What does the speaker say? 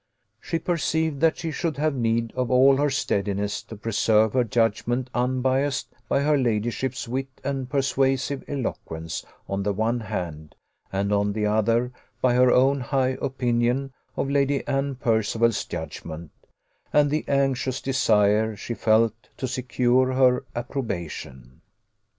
She perceived that she should have need of all her steadiness to preserve her judgment unbiassed by her ladyship's wit and persuasive eloquence on the one hand, and on the other by her own high opinion of Lady Anne Percival's judgment, and the anxious desire she felt to secure her approbation.